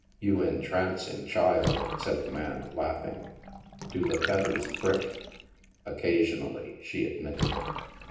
" You entrancing child," said the man, laughing. Do the fetters prick ?" Occasionally," she admitted.